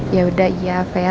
yaudah ya vera